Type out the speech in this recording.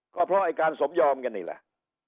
ก็เพราะไอ้การสมยอมกันนี่แหละ